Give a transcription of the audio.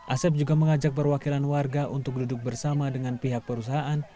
asep juga mengajak perwakilan warga untuk duduk bersama dengan pihak perusahaan